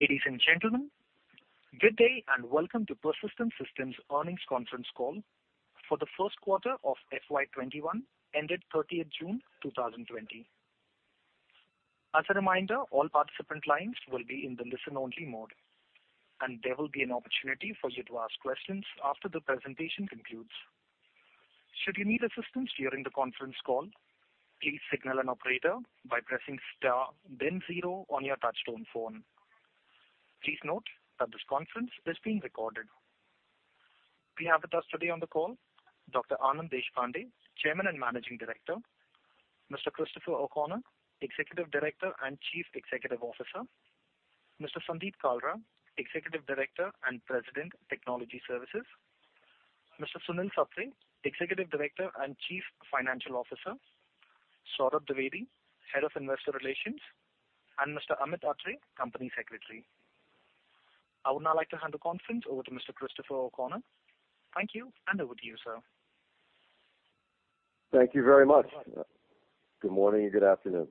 Ladies and gentlemen, good day and welcome to Persistent Systems' earnings conference call for the first quarter of FY 2021 ended 30th June 2020. As a reminder, all participant lines will be in the listen only mode, and there will be an opportunity for you to ask questions after the presentation concludes. Should you need assistance during the conference call, please signal an operator by pressing star then zero on your touchtone phone. Please note that this conference is being recorded. We have with us today on the call Dr. Anand Deshpande, Chairman and Managing Director, Mr. Christopher O'Connor, Executive Director and Chief Executive Officer, Mr. Sandeep Kalra, Executive Director and President, Technology Services, Mr. Sunil Sapre, Executive Director and Chief Financial Officer, Saurabh Dwivedi, Head of Investor Relations, and Mr. Amit Atre, Company Secretary. I would now like to hand the conference over to Mr. Christopher O'Connor. Thank you, and over to you, sir. Thank you very much. Good morning and good afternoon.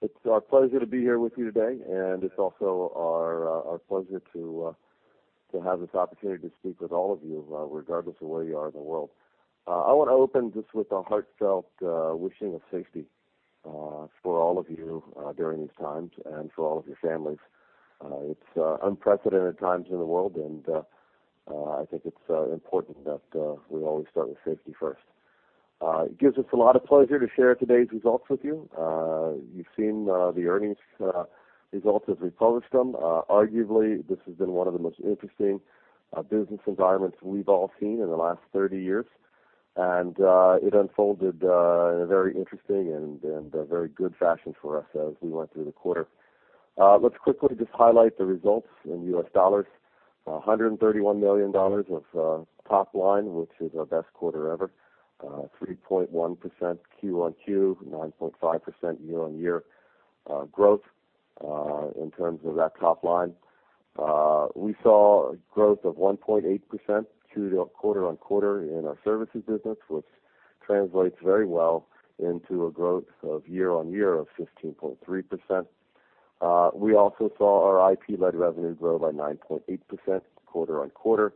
It's our pleasure to be here with you today, and it's also our pleasure to have this opportunity to speak with all of you, regardless of where you are in the world. I want to open just with a heartfelt wishing of safety for all of you during these times and for all of your families. It's unprecedented times in the world, and I think it's important that we always start with safety first. It gives us a lot of pleasure to share today's results with you. You've seen the earnings results as we published them. Arguably, this has been one of the most interesting business environments we've all seen in the last 30 years. It unfolded in a very interesting and very good fashion for us as we went through the quarter. Let's quickly just highlight the results in U.S. dollars. $131 million of top line, which is our best quarter ever. 3.1% QoQ, 9.5% year-on-year growth in terms of that top line. We saw a growth of 1.8% quarter-on-quarter in our services business, which translates very well into a growth of year-on-year of 15.3%. We also saw our IP-led revenue grow by 9.8% quarter-on-quarter.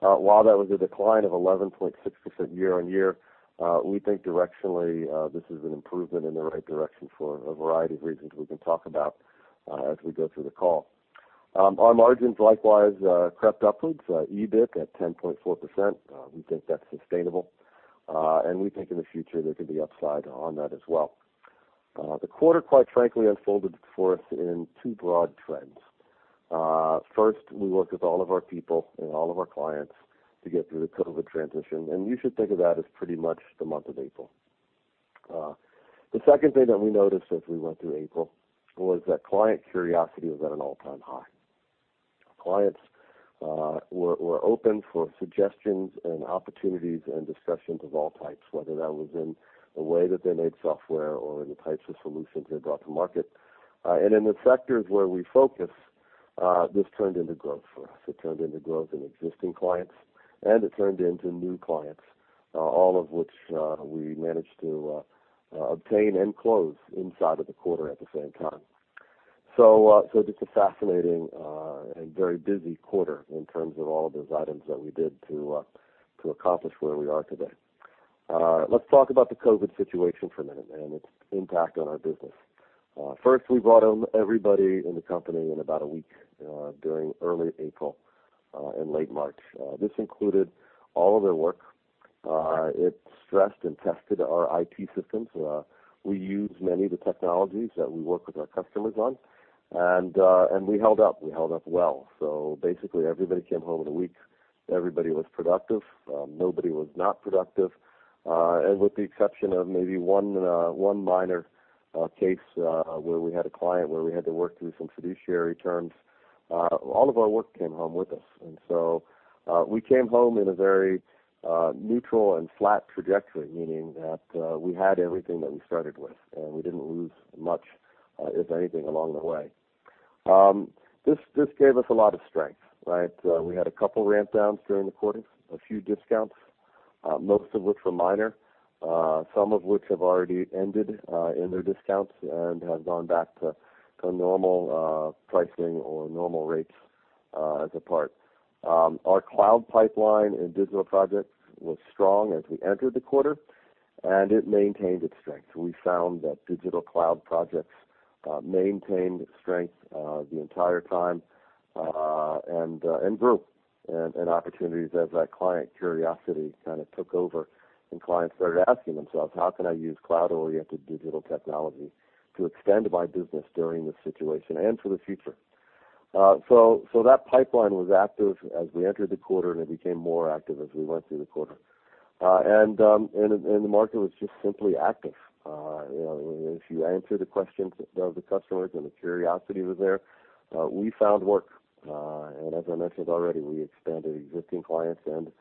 That was a decline of 11.6% year-on-year, we think directionally, this is an improvement in the right direction for a variety of reasons we can talk about as we go through the call. Our margins likewise crept upwards, EBIT at 10.4%. We think in the future, there could be upside on that as well. The quarter, quite frankly, unfolded for us in two broad trends. First, we worked with all of our people and all of our clients to get through the COVID transition, and you should think of that as pretty much the month of April. The second thing that we noticed as we went through April was that client curiosity was at an all-time high. Clients were open for suggestions and opportunities and discussions of all types, whether that was in the way that they made software or in the types of solutions they brought to market. In the sectors where we focus, this turned into growth for us. It turned into growth in existing clients, and it turned into new clients, all of which we managed to obtain and close inside of the quarter at the same time. Just a fascinating and very busy quarter in terms of all of those items that we did to accomplish where we are today. Let's talk about the COVID-19 situation for a minute and its impact on our business. First, we brought home everybody in the company in about a week during early April and late March. This included all of their work. It stressed and tested our IT systems. We used many of the technologies that we work with our customers on, and we held up. We held up well. Basically, everybody came home in a week. Everybody was productive. Nobody was not productive. With the exception of maybe one minor case, where we had a client where we had to work through some fiduciary terms, all of our work came home with us. So we came home in a very neutral and flat trajectory, meaning that we had everything that we started with, and we didn't lose much, if anything, along the way. This gave us a lot of strength, right? We had a couple ramp downs during the quarter, a few discounts, most of which were minor, some of which have already ended in their discounts and have gone back to normal pricing or normal rates as a part. Our cloud pipeline and digital projects were strong as we entered the quarter, and it maintained its strength. We found that digital cloud projects maintained strength the entire time and grew and opportunities as that client curiosity kind of took over and clients started asking themselves, "How can I use cloud-oriented digital technology to extend my business during this situation and for the future?" That pipeline was active as we entered the quarter, and it became more active as we went through the quarter. The market was just simply active. If you answer the questions of the customers, and the curiosity was there, we found work. As I mentioned already, we expanded existing clients and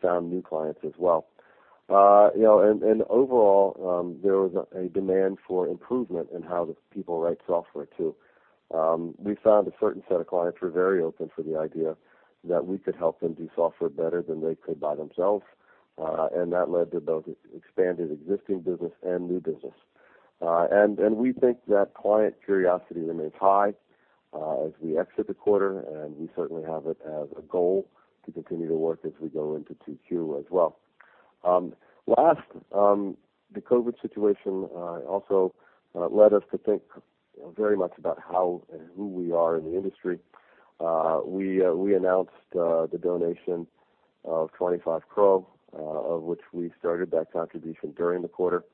found new clients as well. Overall, there was a demand for improvement in how the people write software, too. We found a certain set of clients were very open for the idea that we could help them do software better than they could by themselves, and that led to both expanded existing business and new business. We think that client curiosity remains high as we exit the quarter, and we certainly have it as a goal to continue to work as we go into 2Q as well. Last, the COVID situation also led us to think very much about how and who we are in the industry. We announced the donation of 25 crore, of which we started that contribution during the quarter.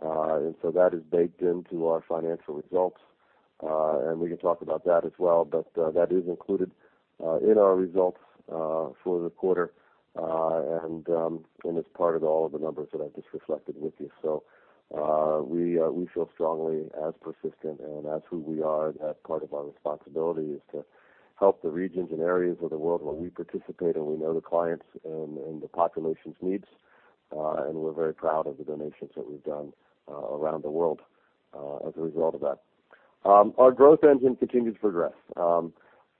That is baked into our financial results. We can talk about that as well, but that is included in our results for the quarter. It's part of all of the numbers that I just reflected with you. We feel strongly as Persistent, and that's who we are. That part of our responsibility is to help the regions and areas of the world where we participate, and we know the clients and the population's needs. We're very proud of the donations that we've done around the world as a result of that. Our growth engine continues to progress.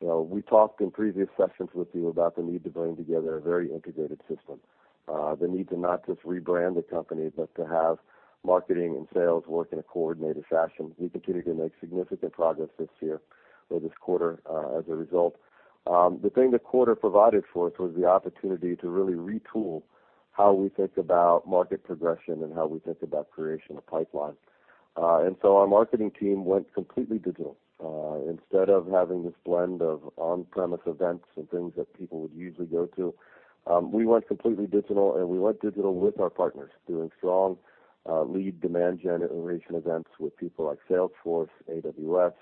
We talked in previous sessions with you about the need to bring together a very integrated system. The need to not just rebrand the company, but to have marketing and sales work in a coordinated fashion. We continue to make significant progress this year or this quarter, as a result. The thing the quarter provided for us was the opportunity to really retool how we think about market progression and how we think about creation of pipeline. Our marketing team went completely digital. Instead of having this blend of on-premise events and things that people would usually go to, we went completely digital. We went digital with our partners, doing strong lead demand generation events with people like Salesforce, AWS,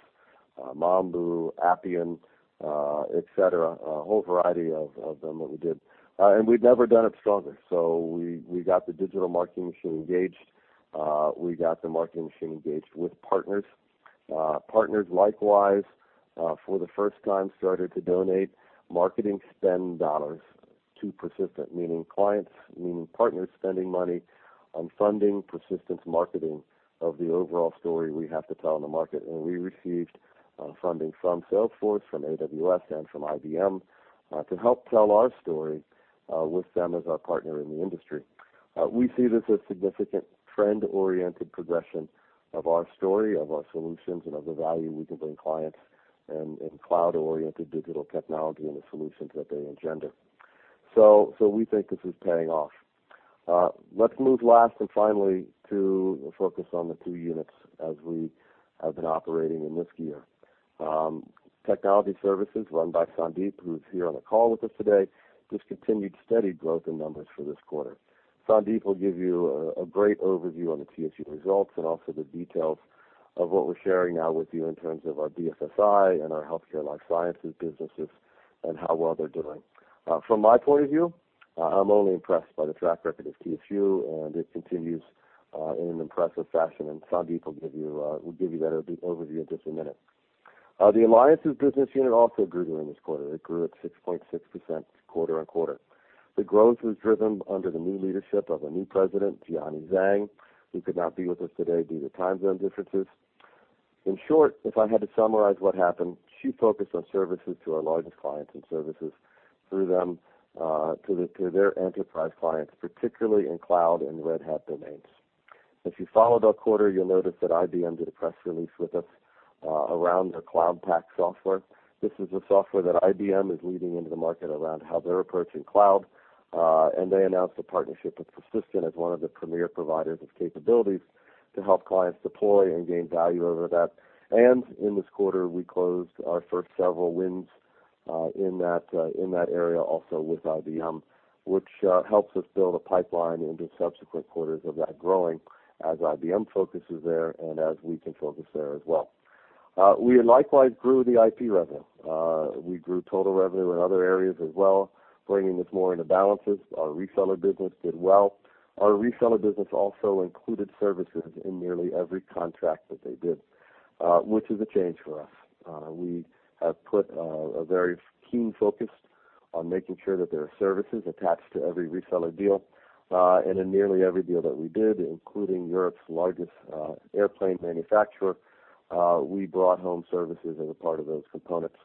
Mambu, Appian, et cetera, a whole variety of them that we did. We'd never done it stronger. We got the digital marketing machine engaged. We got the marketing machine engaged with partners. Partners, likewise, for the first time, started to donate marketing spend dollars to Persistent, meaning clients, meaning partners spending money on funding Persistent's marketing of the overall story we have to tell in the market. We received funding from Salesforce, from AWS, and from IBM to help tell our story with them as our partner in the industry. We see this as significant trend-oriented progression of our story, of our solutions, and of the value we can bring clients in cloud-oriented digital technology and the solutions that they engender. We think this is paying off. Let's move last and finally to focus on the two units as we have been operating in this year. Technology Services run by Sandeep, who's here on the call with us today, just continued steady growth in numbers for this quarter. Sandeep will give you a great overview on the TSU results and also the details of what we're sharing now with you in terms of our DSSI and our Healthcare Life Sciences businesses and how well they're doing. From my point of view, I'm only impressed by the track record of TSU, and it continues in an impressive fashion, and Sandeep will give you that overview in just a minute. The alliances business unit also grew during this quarter. It grew at 6.6% quarter-on-quarter. The growth was driven under the new leadership of a new president, Jiani Zhang, who could not be with us today due to time zone differences. In short, if I had to summarize what happened, she focused on services to our largest clients and services through them to their enterprise clients, particularly in cloud and Red Hat domains. If you followed our quarter, you'll notice that IBM did a press release with us around their Cloud Pak software. This is a software that IBM is leading into the market around how they're approaching cloud. They announced a partnership with Persistent as one of the premier providers of capabilities to help clients deploy and gain value over that. In this quarter, we closed our first several wins in that area also with IBM, which helps us build a pipeline into subsequent quarters of that growing as IBM focuses there and as we can focus there as well. We likewise grew the IP revenue. We grew total revenue in other areas as well, bringing us more into balances. Our reseller business did well. Our reseller business also included services in nearly every contract that they did, which is a change for us. We have put a very keen focus on making sure that there are services attached to every reseller deal. In nearly every deal that we did, including Europe's largest airplane manufacturer, we brought home services as a part of those components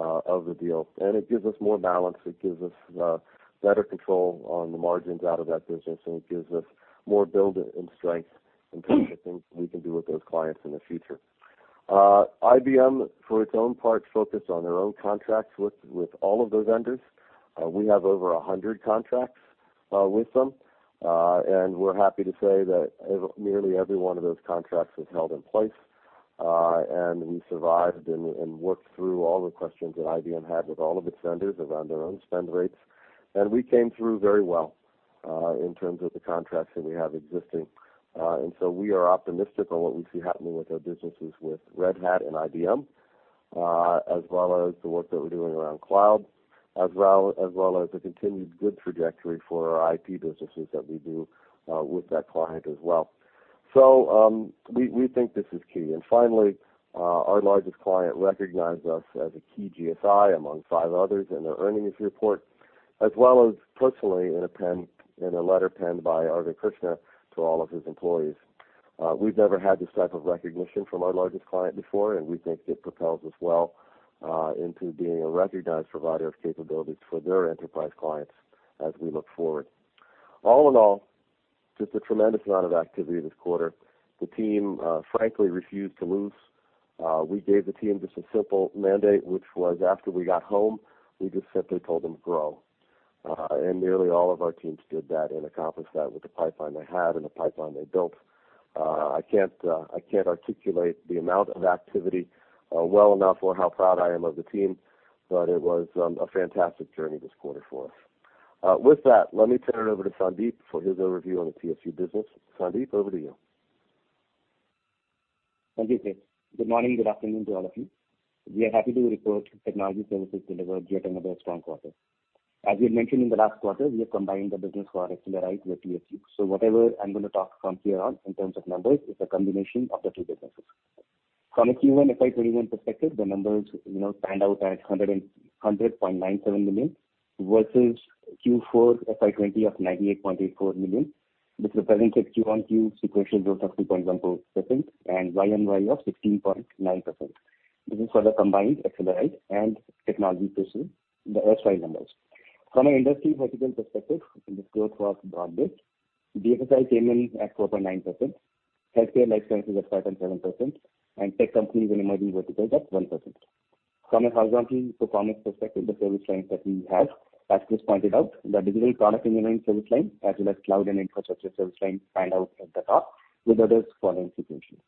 of the deal. It gives us more balance, it gives us better control on the margins out of that business, and it gives us more build and strength in terms of things we can do with those clients in the future. IBM, for its own part, focused on their own contracts with all of those vendors. We have over 100 contracts with them. We're happy to say that nearly every one of those contracts was held in place. We survived and worked through all the questions that IBM had with all of its vendors around their own spend rates. We came through very well in terms of the contracts that we have existing. We are optimistic on what we see happening with our businesses with Red Hat and IBM, as well as the work that we're doing around cloud, as well as the continued good trajectory for our IP businesses that we do with that client as well. We think this is key. Finally, our largest client recognized us as a key GSI among five others in their earnings report, as well as personally in a letter penned by Arvind Krishna to all of his employees. We've never had this type of recognition from our largest client before, and we think it propels us well into being a recognized provider of capabilities for their enterprise clients. As we look forward. All in all, just a tremendous amount of activity this quarter. The team frankly, refused to lose. We gave the team just a simple mandate, which was after we got home, we just simply told them grow. Nearly all of our teams did that and accomplished that with the pipeline they had and the pipeline they built. I can't articulate the amount of activity well enough or how proud I am of the team, but it was a fantastic journey this quarter for us. With that, let me turn it over to Sandeep for his overview on the TSU business. Sandeep, over to you. Thank you, Chris. Good morning, good afternoon to all of you. We are happy to report technology services delivered yet another strong quarter. As we had mentioned in the last quarter, we have combined the business for Accelerite with TSU. Whatever I'm going to talk from here on in terms of numbers is a combination of the two businesses. From a Q1 FY 2021 perspective, the numbers stand out at $100.97 million versus Q4 FY 2020 of $98.84 million. This represents a QoQ sequential growth of 2.14% and YoY of 16.9%. This is for the combined Accelerite and technology services, the FY numbers. From an industry vertical perspective, this growth was broad-based. BFSI came in at 4.9%, healthcare life sciences at 5.7%, and tech companies and emerging verticals at 1%. From a horizontal performance perspective, the service lines that we have, as Chris pointed out, the digital product engineering service line as well as cloud and infrastructure service line stand out at the top with others following situations.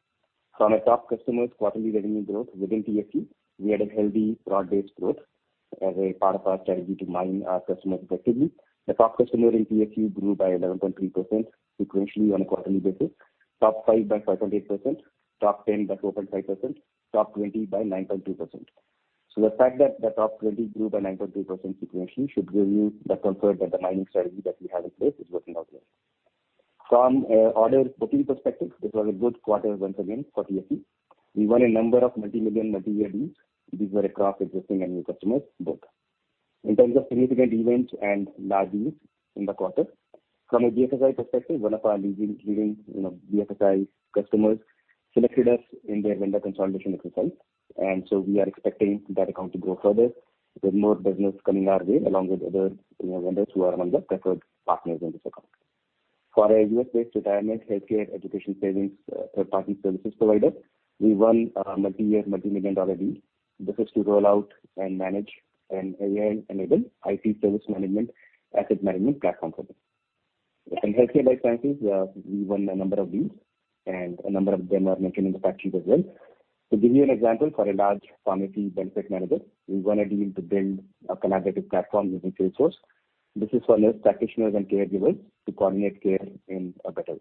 From a top customers quarterly revenue growth within TSU, we had a healthy broad-based growth as a part of our strategy to mine our customers effectively. The top customer in TSU grew by 11.3% sequentially on a quarterly basis. Top 5 by 5.8%, top 10 by 4.5%, top 20 by 9.2%. The fact that the top 20 grew by 9.2% sequentially should give you the comfort that the mining strategy that we have in place is working out well. From order booking perspective, this was a good quarter once again for TSU. We won a number of multi-million, multi-year deals. These were across existing and new customers, both. In terms of significant events and large deals in the quarter. From a BFSI perspective, one of our leading BFSI customers selected us in their vendor consolidation exercise, we are expecting that account to grow further with more business coming our way along with other vendors who are among the preferred partners in this account. For a U.S.-based retirement healthcare education savings third party services provider, we won a multi-year, multi-million dollar deal. This is to roll out and manage an AI-enabled IT service management asset management platform for them. In healthcare life sciences, we won a number of deals, and a number of them are mentioned in the fact sheet as well. To give you an example, for a large pharmacy benefit manager, we won a deal to build a collaborative platform using Salesforce. This is for nurse practitioners and caregivers to coordinate care in a better way.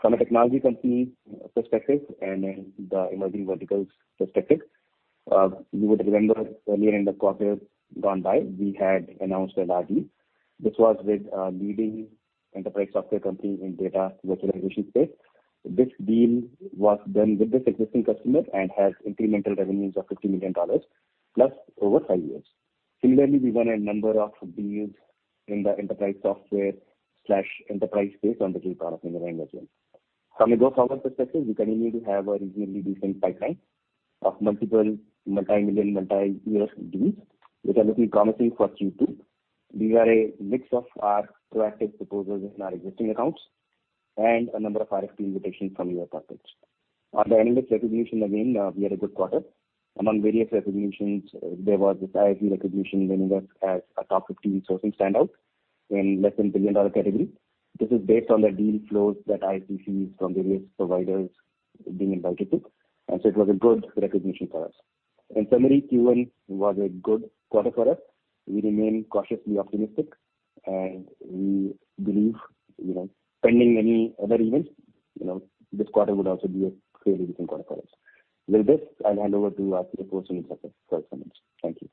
From a technology company perspective and the emerging verticals perspective, you would remember earlier in the quarter gone by, we had announced a large deal. This was with a leading enterprise software company in data virtualization space. This deal was done with this existing customer and has incremental revenues of INR 50 million+ over five years. Similarly, we won a number of deals in the enterprise software/enterprise space on digital product engineering as well. From a go-forward perspective, we continue to have a reasonably decent pipeline of multiple multi-million, multi-year deals, which are looking promising for Q2. These are a mix of our proactive proposals in our existing accounts and a number of RFP invitations from new targets. On the analyst recognition, again, we had a good quarter. Among various recognitions, there was this ISG recognition winning us as a top 15 sourcing standout in less than billion-dollar category. This is based on the deal flows that ISG sees from various providers being invited to, and so it was a good recognition for us. In summary, Q1 was a good quarter for us. We remain cautiously optimistic, and we believe pending any other event, this quarter would also be a fairly decent quarter for us. With this, I'll hand over to Sapre for some insights. Thank you.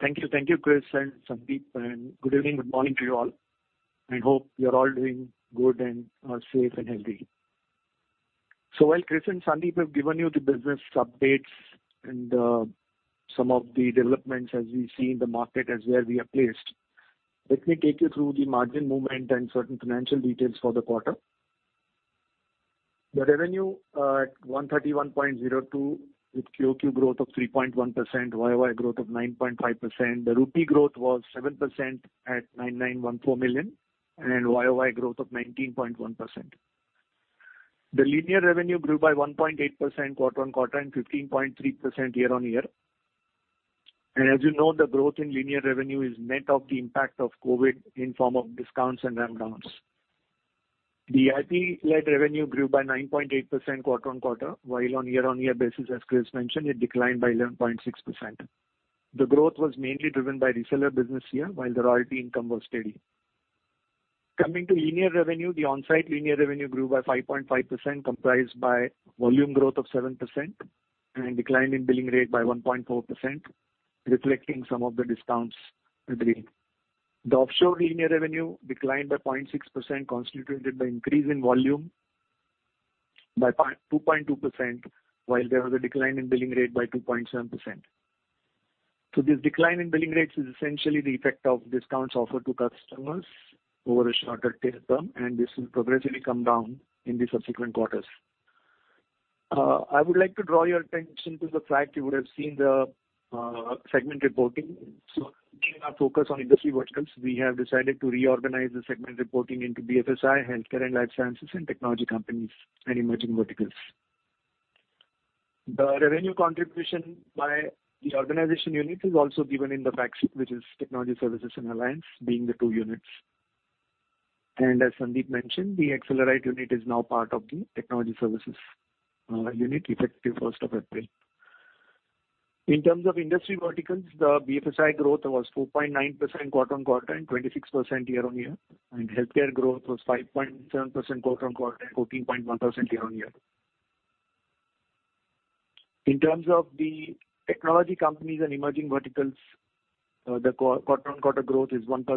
Thank you. Thank you, Chris and Sandeep, good evening, good morning to you all, and hope you are all doing good and are safe and healthy. While Chris and Sandeep have given you the business updates and some of the developments as we see in the market as where we are placed, let me take you through the margin movement and certain financial details for the quarter. The revenue at $131.02 with QoQ growth of 3.1%, YoY growth of 9.5%. The INR growth was 7% at 9,914 million and YoY growth of 19.1%. The linear revenue grew by 1.8% quarter-on-quarter and 15.3% year-on-year. As you know, the growth in linear revenue is net of the impact of COVID-19 in form of discounts and ramp downs. The IP-led revenue grew by 9.8% quarter-on-quarter, while on year on year basis, as Chris mentioned, it declined by 11.6%. The growth was mainly driven by reseller business here, while the royalty income was steady. Coming to linear revenue, the onsite linear revenue grew by 5.5%, comprised by volume growth of 7% and decline in billing rate by 1.4%, reflecting some of the discounts agreed. The offshore linear revenue declined by 0.6%, constituted by increase in volume by 2.2%, while there was a decline in billing rate by 2.7%. This decline in billing rates is essentially the effect of discounts offered to customers over a shorter tail term, and this will progressively come down in the subsequent quarters. I would like to draw your attention to the fact you would've seen the segment reporting. Keeping our focus on industry verticals, we have decided to reorganize the segment reporting into BFSI, healthcare and life sciences, and technology companies and emerging verticals. The revenue contribution by the organization units is also given in the fact sheet, which is technology services and alliance being the two units. As Sandeep mentioned, the Accelerite unit is now part of the Technology Services Unit effective 1st of April. In terms of industry verticals, the BFSI growth was 4.9% quarter-on-quarter and 26% year-on-year. Healthcare growth was 5.7% quarter-on-quarter, 14.1% year-on-year. In terms of the technology companies and emerging verticals, the quarter-on-quarter growth is 1%.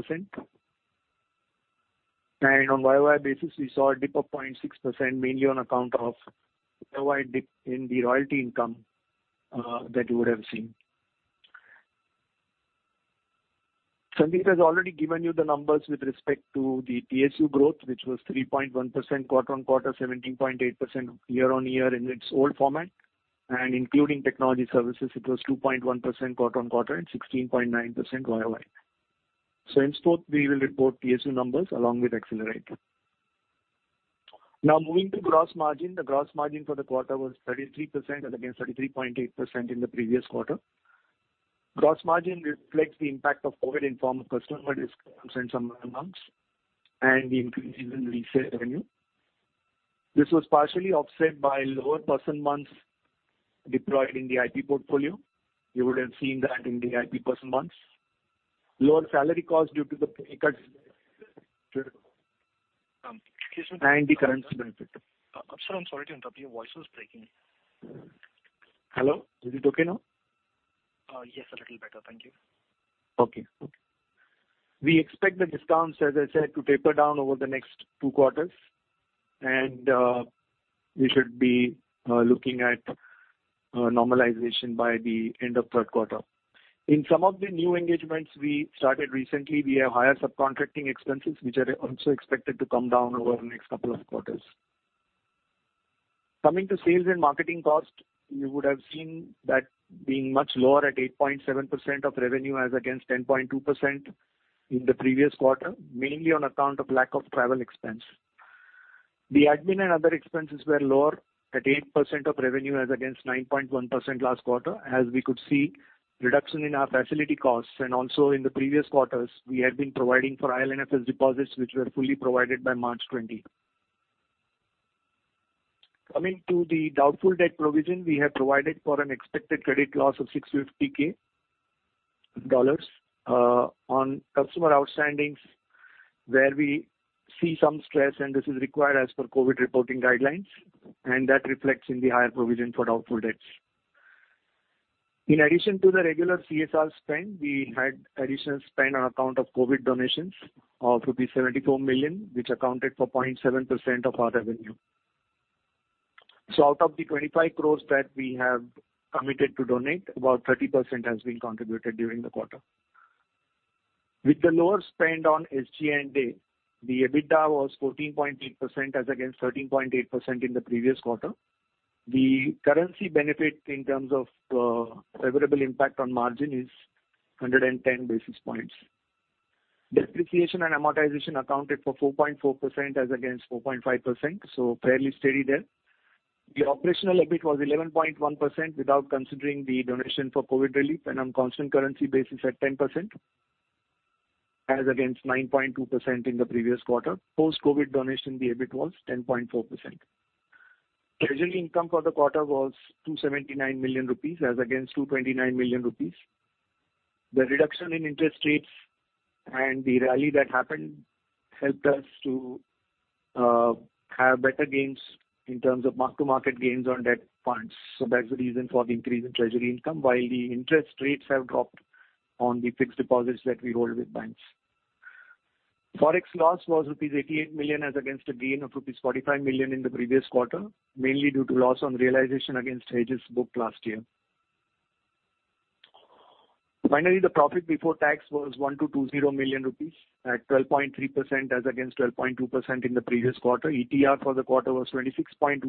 On YoY basis, we saw a dip of 0.6%, mainly on account of a wide dip in the royalty income that you would've seen. Sandeep has already given you the numbers with respect to the TSU growth, which was 3.1% quarter-on-quarter, 17.8% year-on-year in its old format. Including technology services, it was 2.1% quarter-on-quarter and 16.9% YoY. Henceforth, we will report TSU numbers along with Accelerite. Moving to gross margin. The gross margin for the quarter was 33% as against 33.8% in the previous quarter. Gross margin reflects the impact of COVID in form of customer discounts and some add-ons, and the increase in resale revenue. This was partially offset by lower person months deployed in the IP portfolio. You would've seen that in the IP person months. Lower salary costs due to the pay cuts and the currency benefit. Sir, I'm sorry to interrupt you. Your voice was breaking. Hello. Is it okay now? Yes, a little better. Thank you. Okay. We expect the discounts, as I said, to taper down over the next two quarters, and we should be looking at normalization by the end of third quarter. In some of the new engagements we started recently, we have higher subcontracting expenses which are also expected to come down over the next couple of quarters. Coming to sales and marketing cost, you would've seen that being much lower at 8.7% of revenue as against 10.2% in the previous quarter, mainly on account of lack of travel expense. The admin and other expenses were lower at 8% of revenue as against 9.1% last quarter, as we could see reduction in our facility costs and also in the previous quarters, we had been providing for IL&FS deposits which were fully provided by March 2020. Coming to the doubtful debt provision, we have provided for an expected credit loss of $650K on customer outstandings where we see some stress. This is required as per COVID reporting guidelines. That reflects in the higher provision for doubtful debts. In addition to the regular CSR spend, we had additional spend on account of COVID donations of rupees 74 million which accounted for 0.7% of our revenue. Out of the 25 crore that we have committed to donate, about 30% has been contributed during the quarter. With the lower spend on SG&A, the EBITDA was 14.8% as against 13.8% in the previous quarter. The currency benefit in terms of favorable impact on margin is 110 basis points. Depreciation and amortization accounted for 4.4% as against 4.5%, fairly steady there. The operational EBIT was 11.1% without considering the donation for COVID relief and on constant currency basis at 10%, as against 9.2% in the previous quarter. Post-COVID donation, the EBIT was 10.4%. Treasury income for the quarter was 279 million rupees as against 229 million rupees. That's the reason for the increase in treasury income while the interest rates have dropped on the fixed deposits that we hold with banks. Forex loss was rupees 88 million as against a gain of rupees 45 million in the previous quarter, mainly due to loss on realization against hedges booked last year. Finally, the profit before tax was 1,220 million rupees at 12.3% as against 12.2% in the previous quarter. ETR for the quarter was 26.2%,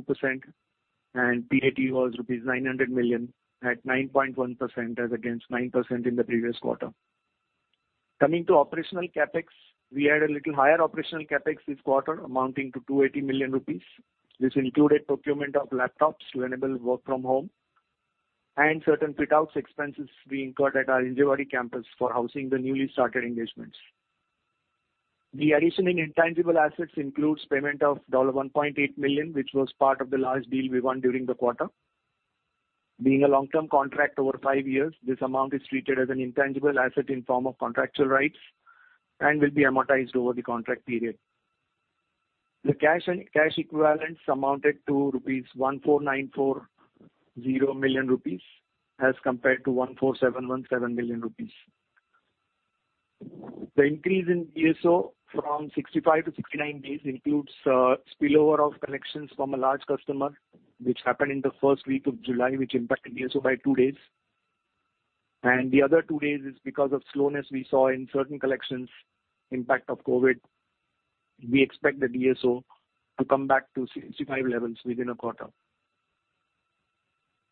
and PAT was rupees 900 million at 9.1% as against 9% in the previous quarter. Coming to operational CapEx, we had a little higher operational CapEx this quarter amounting to 280 million rupees. This included procurement of laptops to enable work from home and certain fit-outs expenses we incurred at our Hinjawadi campus for housing the newly started engagements. The addition in intangible assets includes payment of $1.8 million, which was part of the large deal we won during the quarter. Being a long-term contract over five years, this amount is treated as an intangible asset in form of contractual rights and will be amortized over the contract period. The cash and cash equivalents amounted to 14,940 million rupees as compared to 14,717 million rupees. The increase in DSO from 65 to 69 days includes spillover of collections from a large customer which happened in the first week of July which impacted DSO by 2 days. The other 2 days is because of slowness we saw in certain collections, impact of COVID. We expect the DSO to come back to 65 levels within a quarter.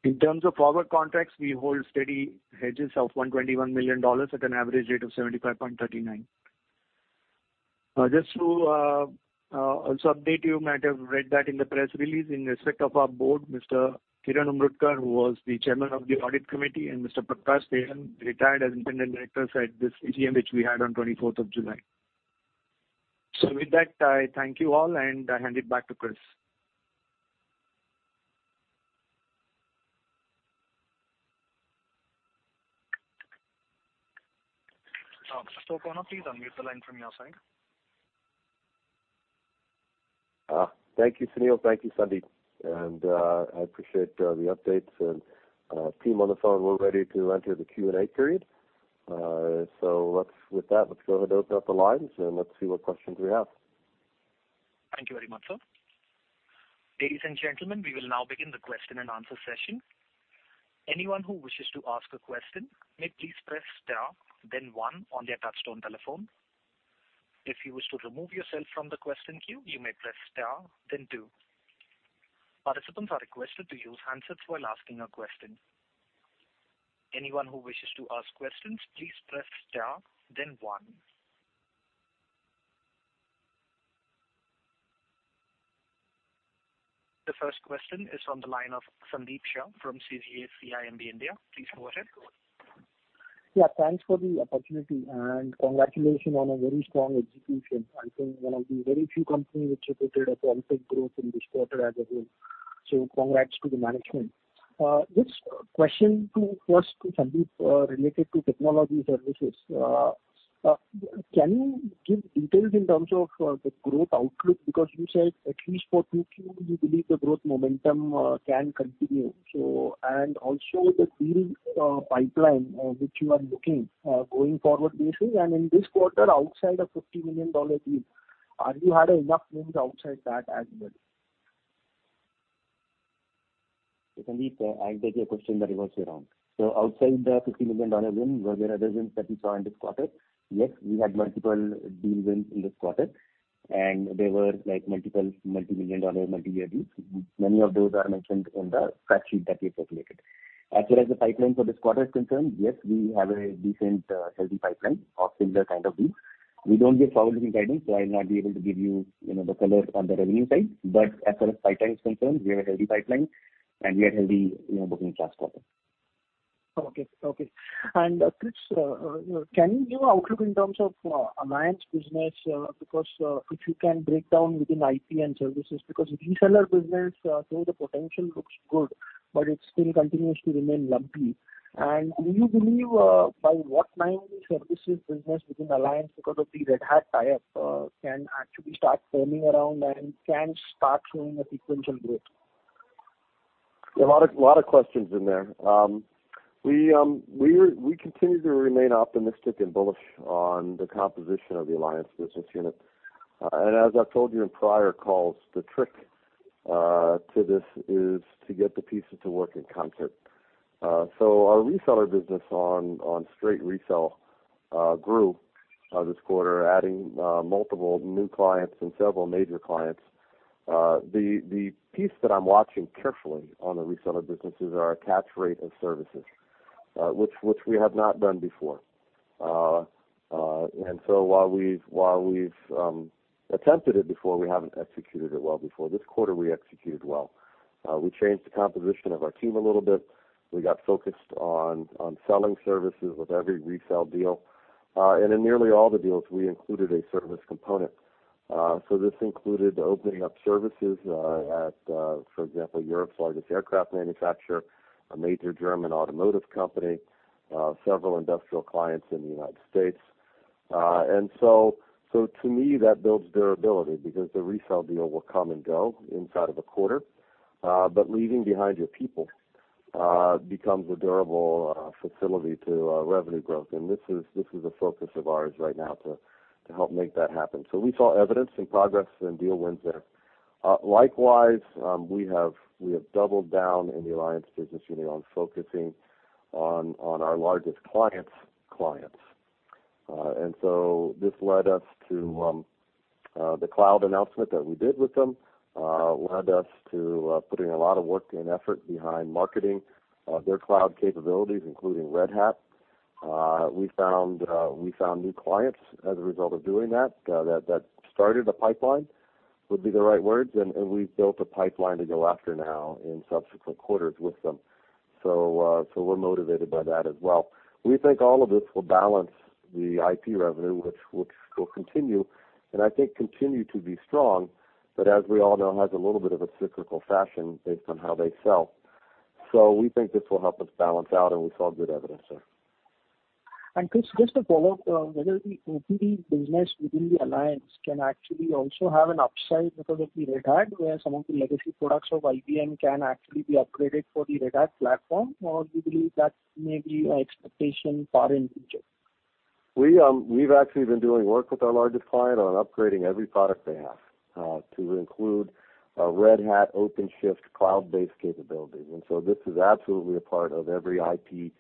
In terms of forward contracts, we hold steady hedges of $121 million at an average rate of 75.39. Just to also update, you might have read that in the press release in respect of our board, Mr. Kiran Umrootkar, who was the Chairman of the Audit Committee, and Mr. Prakash Tandon retired as independent directors at this AGM, which we had on 24th of July. With that, I thank you all, and I hand it back to Chris. Mr. O'Connor, please unmute the line from your side. Thank you, Sunil. Thank you, Sandeep. I appreciate the updates. Team on the phone, we're ready to enter the Q&A period. With that, let's go ahead and open up the lines and let's see what questions we have. Thank you very much, sir. Ladies and gentlemen, we will now begin the question and answer session. Anyone who wishes to ask a question may please press star then one on their touch-tone telephone. If you wish to remove yourself from the question queue, you may press star then two. Participants are requested to use handsets while asking a question. Anyone who wishes to ask questions, please press star then one. The first question is on the line of Sandeep Shah from CGS-CIMB India. Please go ahead. Thanks for the opportunity and congratulations on a very strong execution. I think one of the very few companies which reported a double growth in this quarter as a whole. Congrats to the management. This question first to Sandeep, related to Technology Services. Can you give details in terms of the growth outlook? You said at least for 2Q, you believe the growth momentum can continue. Also the deal pipeline which you are booking going forward basis. In this quarter, outside of $50 million deal, have you had enough wins outside that as well? Sandeep, I'll take your question, then reverse it around. Outside the $50 million win, were there other wins that we saw in this quarter? Yes, we had multiple deal wins in this quarter, and they were like multiple multimillion-dollar, multi-year deals. Many of those are mentioned in the fact sheet that we have circulated. As far as the pipeline for this quarter is concerned, yes, we have a decent, healthy pipeline of similar kind of deals. We don't give forward-looking guidance, so I'll not be able to give you the color on the revenue side. As far as pipeline is concerned, we have a healthy pipeline and we had healthy bookings last quarter. Okay. Chris, can you give an outlook in terms of Alliance business? If you can break down within IP and services, reseller business, the potential looks good, but it still continues to remain lumpy. Do you believe by what time the services business within Alliance, because of the Red Hat tie-up, can actually start turning around and can start showing a sequential growth? A lot of questions in there. We continue to remain optimistic and bullish on the composition of the Alliance Business Unit. As I've told you in prior calls, the trick to this is to get the pieces to work in concert. Our reseller business on straight resale grew this quarter, adding multiple new clients and several major clients. The piece that I'm watching carefully on the reseller business is our attach rate of services, which we have not done before. While we've attempted it before, we haven't executed it well before. This quarter, we executed well. We changed the composition of our team a little bit. We got focused on selling services with every resale deal. In nearly all the deals, we included a service component. This included opening up services at, for example, Europe's largest aircraft manufacturer, a major German automotive company, several industrial clients in the U.S. To me, that builds durability because the resale deal will come and go inside of a quarter. Leaving behind your people becomes a durable facility to revenue growth. This is a focus of ours right now to help make that happen. We saw evidence and progress in deal wins there. Likewise, we have doubled down in the Alliance Business Unit on focusing on our largest clients' clients. This led us to the cloud announcement that we did with them, led us to putting a lot of work and effort behind marketing their cloud capabilities, including Red Hat. We found new clients as a result of doing that started a pipeline, would be the right words, and we've built a pipeline to go after now in subsequent quarters with them. We're motivated by that as well. We think all of this will balance the IP revenue, which will continue, and I think continue to be strong, but as we all know, has a little bit of a cyclical fashion based on how they sell. We think this will help us balance out, and we saw good evidence there. Chris, just a follow-up, whether the IP-led business within the Alliance can actually also have an upside because of the Red Hat, where some of the legacy products of IBM can actually be upgraded for the Red Hat platform, or do you believe that may be an expectation far in the future? We've actually been doing work with our largest client on upgrading every product they have to include Red Hat OpenShift cloud-based capabilities. This is absolutely a part of every IT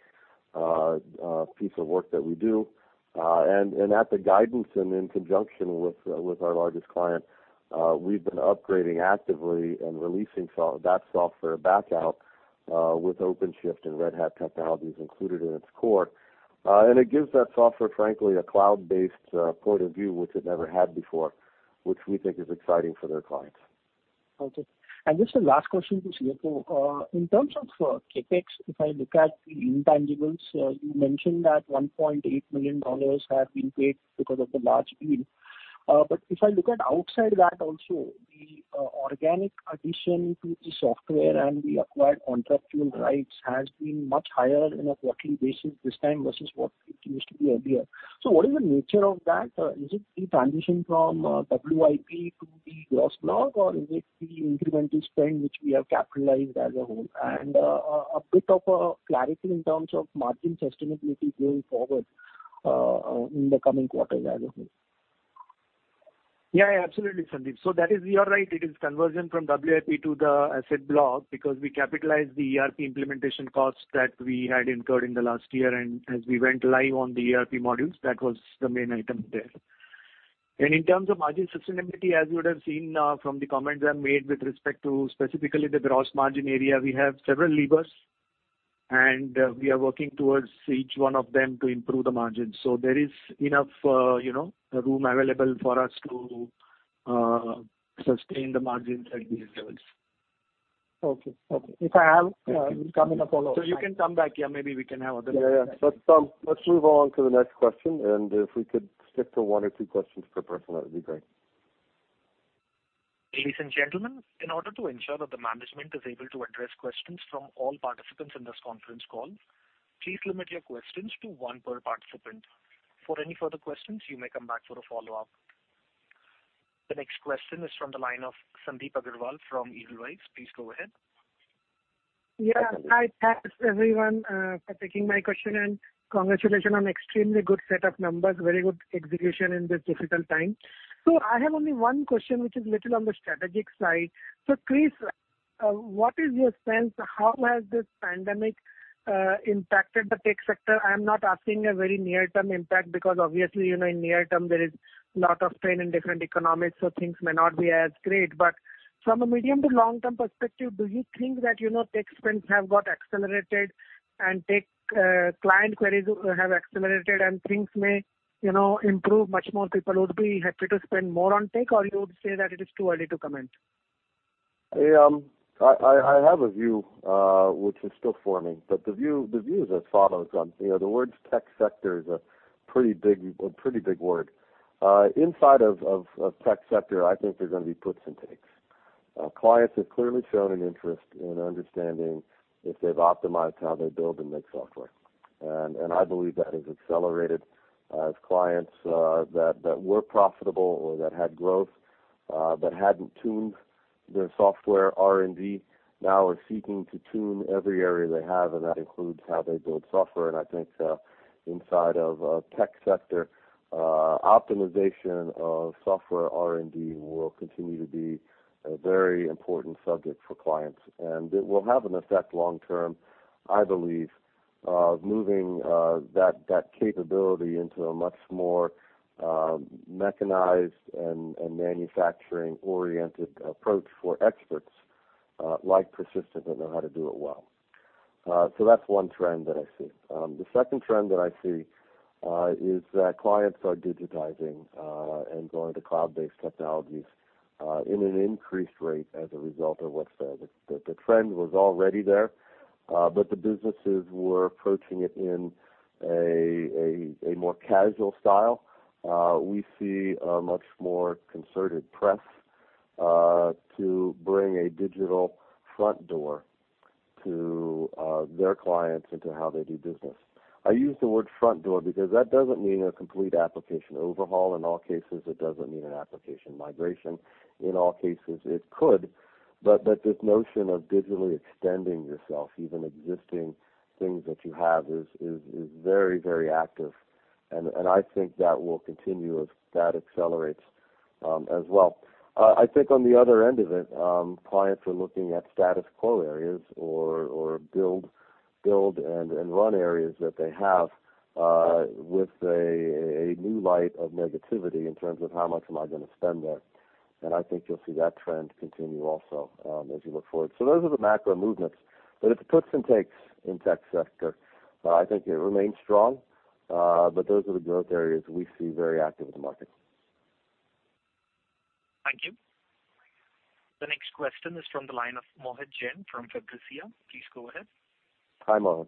piece of work that we do. At the guidance and in conjunction with our largest client, we've been upgrading actively and releasing that software back out with OpenShift and Red Hat technologies included in its core. It gives that software, frankly, a cloud-based point of view, which it never had before, which we think is exciting for their clients. Okay. Just a last question to CFO. In terms of CapEx, if I look at the intangibles, you mentioned that $1.8 million have been paid because of the large deal. If I look at outside that also, the organic addition to the software and the acquired contractual rights has been much higher in a quarterly basis this time versus what it used to be earlier. What is the nature of that? Is it the transition from WIP to the gross block, or is it the incremental spend which we have capitalized as a whole? A bit of a clarity in terms of margin sustainability going forward in the coming quarters as a whole? Yeah, absolutely Sandeep. You are right, it is conversion from WIP to the asset block because we capitalized the ERP implementation costs that we had incurred in the last year. As we went live on the ERP modules, that was the main item there. In terms of margin sustainability, as you would've seen from the comments I made with respect to specifically the gross margin area, we have several levers, and we are working towards each one of them to improve the margins. There is enough room available for us to sustain the margins at these levels. Okay. Thank you. We'll come in a follow-up. You can come back. Yeah. Yeah. Let's move on to the next question, and if we could stick to one or two questions per person, that would be great. Ladies and gentlemen, in order to ensure that the management is able to address questions from all participants in this conference call, please limit your questions to one per participant. For any further questions, you may come back for a follow-up. The next question is from the line of Sandip Agarwal from Edelweiss. Please go ahead. Yeah. Hi. Thanks everyone for taking my question, and congratulations on extremely good set of numbers. Very good execution in this difficult time. I have only one question, which is little on the strategic side. Chris, what is your sense, how has this pandemic impacted the tech sector? I'm not asking a very near-term impact because obviously, in near term, there is lot of strain in different economics, so things may not be as great. From a medium to long term perspective, do you think that tech spends have got accelerated and tech client queries have accelerated and things may improve much more? People would be happy to spend more on tech, or you would say that it is too early to comment? I have a view, which is still forming. The view is as follows. The tech sector is a pretty big word. Inside of tech sector, I think there's going to be puts and takes. Clients have clearly shown an interest in understanding if they've optimized how they build and make software. I believe that has accelerated as clients that were profitable or that had growth, but hadn't tuned their software R&D now are seeking to tune every area they have, and that includes how they build software. I think inside of tech sector, optimization of software R&D will continue to be a very important subject for clients. It will have an effect long term, I believe, of moving that capability into a much more mechanized and manufacturing-oriented approach for experts like Persistent that know how to do it well. That's one trend that I see. The second trend that I see is that clients are digitizing and going to cloud-based technologies in an increased rate as a result of what's there. The trend was already there, but the businesses were approaching it in a more casual style. We see a much more concerted press to bring a digital front door to their clients into how they do business. I use the word front door because that doesn't mean a complete application overhaul. In all cases, it doesn't mean an application migration. In all cases, it could. This notion of digitally extending yourself, even existing things that you have is very active. I think that will continue as that accelerates as well. I think on the other end of it, clients are looking at status quo areas or build and run areas that they have with a new light of negativity in terms of how much am I going to spend there. I think you'll see that trend continue also as you look forward. Those are the macro movements. It's puts and takes in tech sector. I think it remains strong. Those are the growth areas we see very active in the market. Thank you. The next question is from the line of Mohit Jain from Anand Rathi. Please go ahead. Hi, Mohit.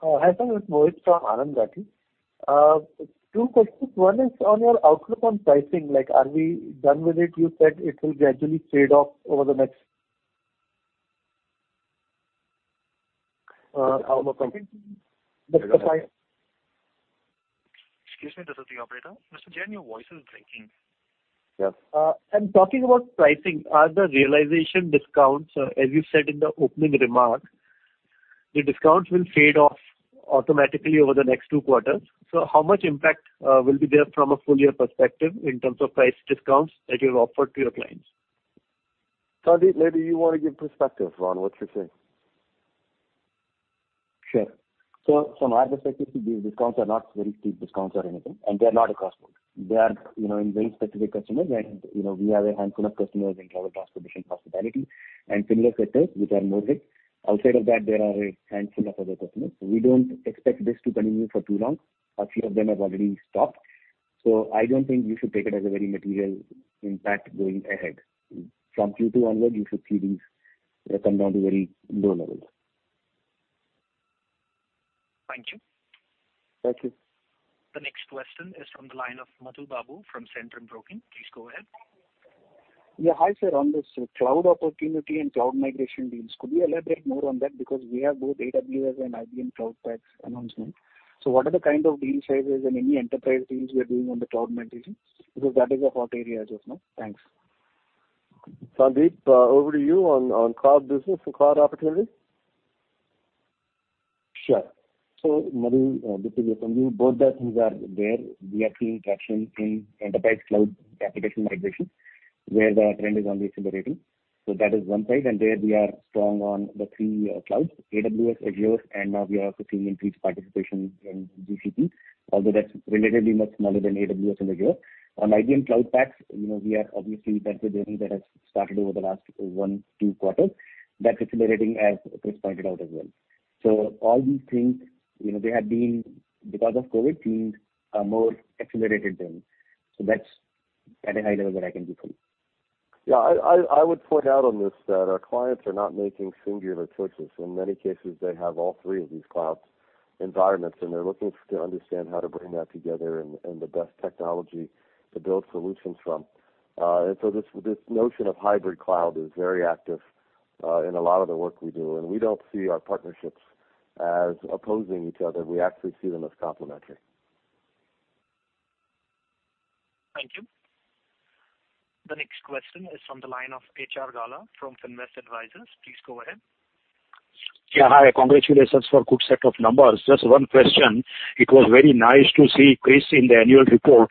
Hi sir, this is Mohit from Anand Rathi. Two questions. One is on your outlook on pricing, like are we done with it? You said it will gradually trade off. Excuse me, this is the operator. Mr. Jain, your voice is breaking. Yes. Talking about pricing, are the realization discounts, as you said in the opening remark, the discounts will fade off automatically over the next two quarters. How much impact will be there from a full year perspective in terms of price discounts that you have offered to your clients? Sandeep, maybe you want to give perspective on what you think? Sure. From our perspective, these discounts are not very steep discounts or anything, and they're not across board. They are in very specific customers and we have a handful of customers in travel, transportation, hospitality and similar sectors which are modest. Outside of that, there are a handful of other customers. We don't expect this to continue for too long. A few of them have already stopped. I don't think you should take it as a very material impact going ahead. From Q2 onwards, you should see these come down to very low levels. Thank you. Thank you. The next question is from the line of Madhu Babu from Centrum Broking. Please go ahead. Yeah. Hi, sir. On this cloud opportunity and cloud migration deals, could we elaborate more on that? We have both AWS and IBM Cloud Paks announcement. What are the kind of deal sizes and any enterprise deals we are doing on the cloud migration? That is a hot area just now. Thanks. Sandeep, over to you on cloud business and cloud opportunity. Sure. Madhu, this is Sandeep. Both the things are there. We are seeing traction in enterprise cloud application migration, where the trend is only accelerating. That is one side, and there we are strong on the three clouds, AWS, Azure, and now we are also seeing increased participation in GCP, although that's relatively much smaller than AWS and Azure. On IBM Cloud Paks, we are obviously benefiting. That has started over the last one, two quarters. That's accelerating as Chris pointed out as well. All these things, because of COVID, seeing a more accelerated trend. That's at a high level that I can speak from. Yeah. I would point out on this that our clients are not making singular choices. In many cases, they have all three of these clouds environments, and they're looking to understand how to bring that together and the best technology to build solutions from. This notion of hybrid cloud is very active in a lot of the work we do, and we don't see our partnerships as opposing each other. We actually see them as complementary. Thank you. The next question is from the line of HR Gala from Finvest Advisors. Please go ahead. Yeah. Hi. Congratulations for good set of numbers. Just one question. It was very nice to see, Chris, in the annual report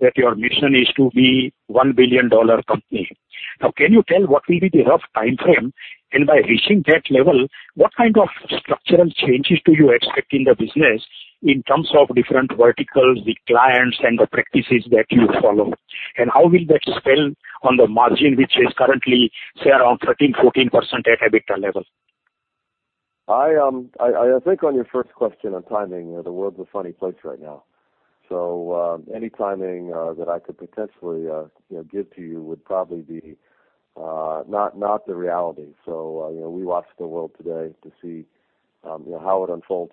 that your mission is to be $1 billion company. Can you tell what will be the rough timeframe? By reaching that level, what kind of structural changes do you expect in the business in terms of different verticals with clients and the practices that you follow? How will that spell on the margin, which is currently, say around 13-14% at EBITDA level? I think on your first question on timing, the world's a funny place right now. Any timing that I could potentially give to you would probably be not the reality. We watch the world today to see how it unfolds.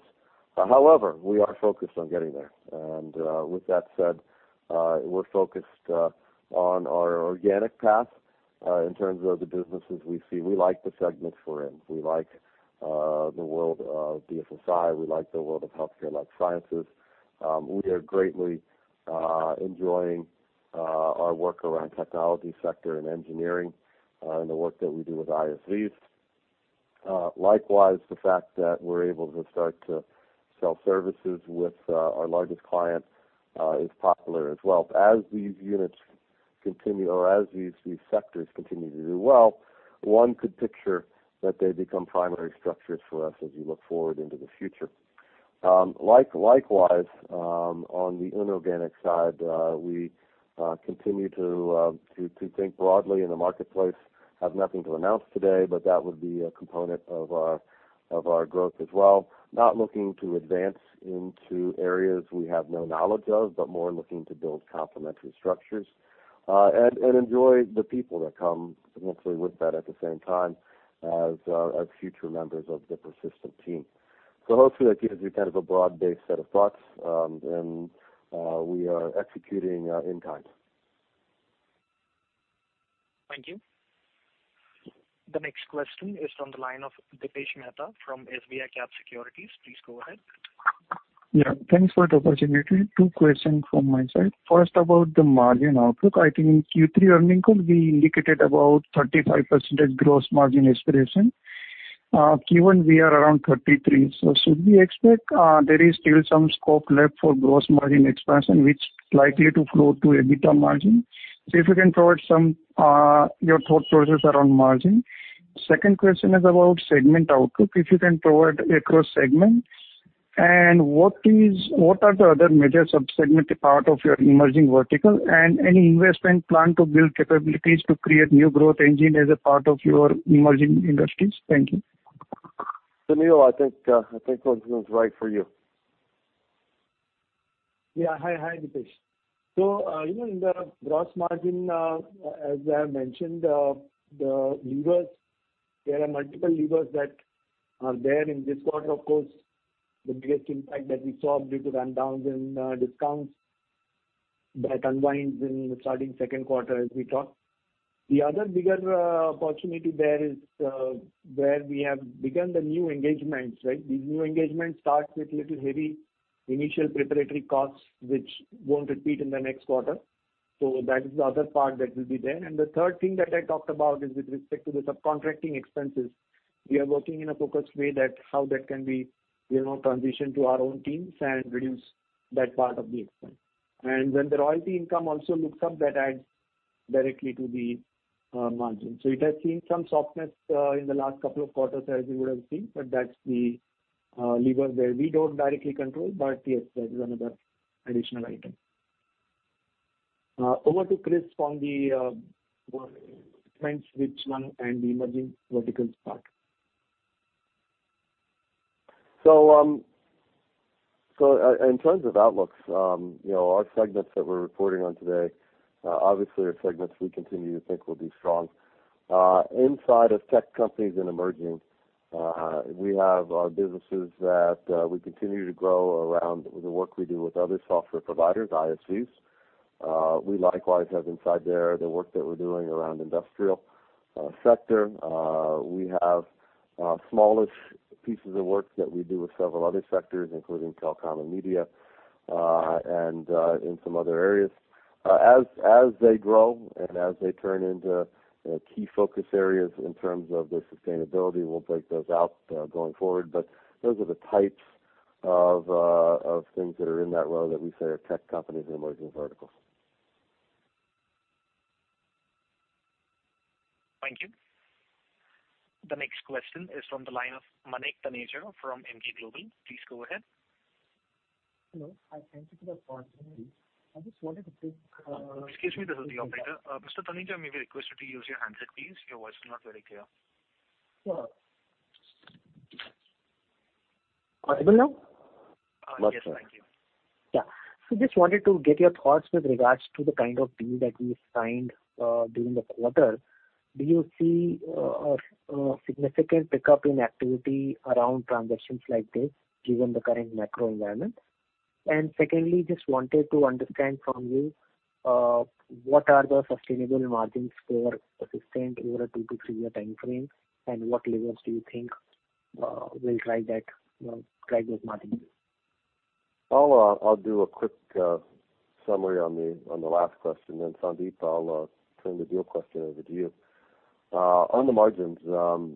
However, we are focused on getting there. With that said, we're focused on our organic path in terms of the businesses we see. We like the segments we're in. We like the world of DSSI. We like the world of healthcare life sciences. We are greatly enjoying our work around technology sector and engineering and the work that we do with ISVs. Likewise, the fact that we're able to start to sell services with our largest client is popular as well. As these units continue, or as these sectors continue to do well, one could picture that they become primary structures for us as we look forward into the future. Likewise, on the inorganic side, we continue to think broadly in the marketplace. Have nothing to announce today, that would be a component of our growth as well. Not looking to advance into areas we have no knowledge of, more looking to build complementary structures. Enjoy the people that come hopefully with that at the same time as future members of the Persistent team. Hopefully that gives you kind of a broad-based set of thoughts and we are executing in kind. Thank you. The next question is from the line of Dipesh Mehta from SBICAP Securities. Please go ahead. Yeah. Thanks for the opportunity. Two questions from my side. First, about the margin outlook. I think in Q3 earnings call, we indicated about 35% gross margin aspiration. Q1, we are around 33%. Should we expect there is still some scope left for gross margin expansion which likely to flow to EBITDA margin? See if you can provide your thought process around margin. Second question is about segment outlook, if you can provide across segments. What are the other major sub-segment part of your emerging vertical and any investment plan to build capabilities to create new growth engine as a part of your emerging industries? Thank you. Sunil, I think this one's right for you. Yeah. Hi, Dipesh. Even in the gross margin, as I have mentioned, there are multiple levers that are there in this quarter. Of course, the biggest impact that we saw due to rundowns and discounts that unwinds in starting second quarter as we talk. The other bigger opportunity there is where we have begun the new engagements. These new engagements start with little heavy initial preparatory costs, which won't repeat in the next quarter. That is the other part that will be there. The third thing that I talked about is with respect to the subcontracting expenses. We are working in a focused way that how that can be transitioned to our own teams and reduce that part of the expense. When the royalty income also looks up, that adds directly to the margin. It has seen some softness in the last couple of quarters, as you would have seen, but that's the lever there. We don't directly control, but yes, that is another additional item. Over to Chris on the trends, which one and the emerging verticals part. In terms of outlooks, our segments that we're reporting on today, obviously, are segments we continue to think will be strong. Inside of Tech Companies and Emerging, we have our businesses that we continue to grow around the work we do with other software providers, ISVs. We likewise have inside there the work that we're doing around Industrial Sector. We have smallish pieces of work that we do with several other sectors, including telecom and media, and in some other areas. As they grow and as they turn into key focus areas in terms of their sustainability, we'll break those out going forward. Those are the types of things that are in that row that we say are Tech Companies and Emerging verticals. Thank you. The next question is from the line of Manik Taneja from Emkay Global. Please go ahead. Hello. Thank you for the opportunity. Excuse me, this is the operator. Mr. Taneja, may we request you to use your handset, please. Your voice is not very clear. Sure. Audible now? Much better. Yes, thank you. Yeah. Just wanted to get your thoughts with regards to the kind of deal that you signed during the quarter. Do you see a significant pickup in activity around transactions like this given the current macro environment? Secondly, just wanted to understand from you, what are the sustainable margins for Persistent over a two to three-year time frame, and what levels do you think will drive those margins? I'll do a quick summary on the last question, then Sandip, I'll turn the deal question over to you. On the margins,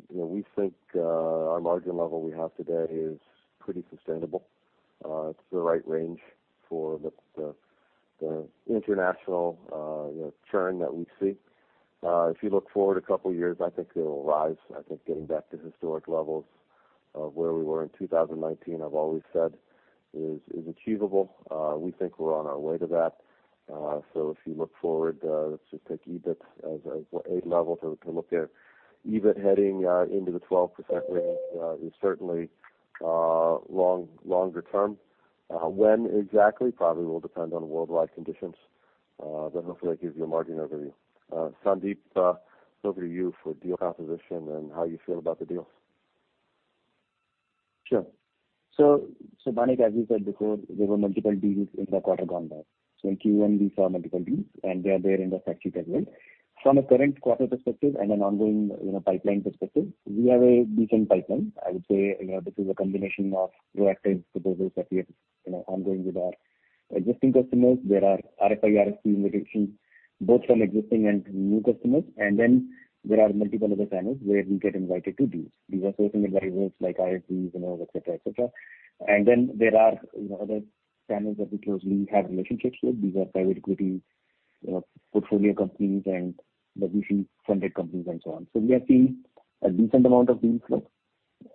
we think our margin level we have today is pretty sustainable. It's the right range for the international churn that we see. If you look forward a couple of years, I think it'll rise. I think getting back to historic levels of where we were in 2019, I've always said is achievable. We think we're on our way to that. If you look forward, let's just take EBIT as a level to look at. EBIT heading into the 12% range is certainly longer term. When exactly probably will depend on worldwide conditions. Hopefully that gives you a margin overview. Sandeep, over to you for deal composition and how you feel about the deals. Sure. Manik, as we said before, there were multiple deals in the quarter gone by. In Q1, we saw multiple deals, and they are there in the fact sheet as well. From a current quarter perspective and an ongoing pipeline perspective, we have a decent pipeline. I would say this is a combination of proactive proposals that we have ongoing with our existing customers. There are RFI, RFP invitations, both from existing and new customers. Then there are multiple other panels where we get invited to deals. These are certain advisors like ISVs, et cetera. Then there are other panels that we closely have relationships with. These are private equity portfolio companies and VC-funded companies and so on. We are seeing a decent amount of deal flow,